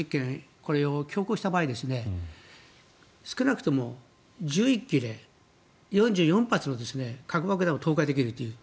これを強行した場合少なくとも１１基で４４発の核爆弾を搭載できるという。